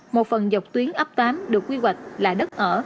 một phần dọc tuyến ấp tám được quy hoạch là đất ở